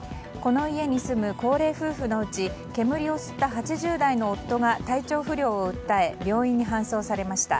この家に住む高齢夫婦のうち煙を吸った８０代の夫が体調不良を訴え病院に搬送されました。